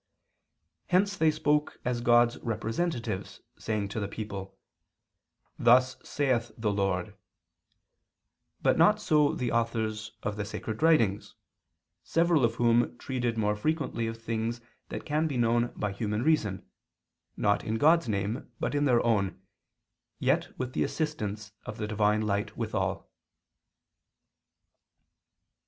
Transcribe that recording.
Hence they spoke as God's representatives, saying to the people: "Thus saith the Lord": but not so the authors of the sacred writings, several of whom treated more frequently of things that can be known by human reason, not in God's name, but in their own, yet with the assistance of the Divine light withal.